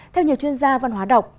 theo nhiều chuyên gia văn hóa đọc